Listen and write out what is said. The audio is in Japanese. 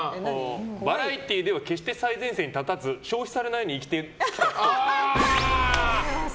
バラエティーでは決して最前線に立たず消費されないように生き残ってきたっぽい。